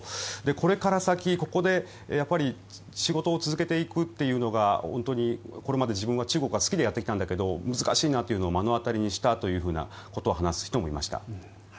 これから先、ここで仕事を続けていくというのが本当に、これまで自分は中国が好きでやってきたんだけど難しいなというのを目の当たりにしたというふうなことを話す人もいました。